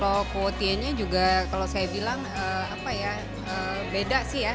kalau kuotienya juga kalau saya bilang beda sih ya